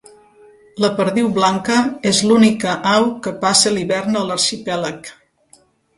La perdiu blanca és l'única au que passa l'hivern a l'arxipèlag.